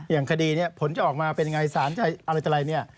อย่างคดีเนี่ยผลจะออกมาเป็นไงสารจะอะไรต่ออะไรเนี่ย